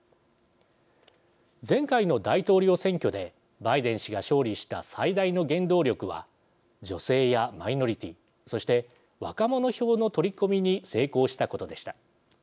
前回の大統領選挙でバイデン氏が勝利した最大の原動力は女性やマイノリティーそして若者票の取り込みに成功したことでした。